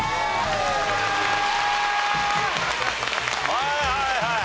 はいはいはい。